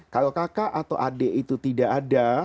kalau kakak atau adik itu tidak ada